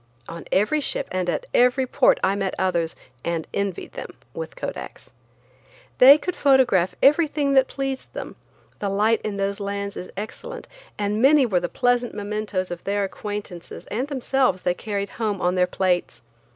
On every ship and at every port I met others–and envied them–with Kodaks. They could photograph everything that pleased them; the light in those lands is excellent, and many were the pleasant mementos of their acquaintances and themselves they carried home on their plates.